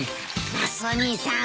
マスオ兄さん